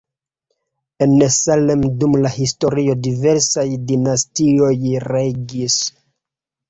En Salem dum la historio diversaj dinastioj regis.